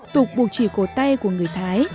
tục buộc chỉ cầu tay của người thái